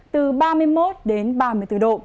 từ ba mươi một đến ba mươi bốn độ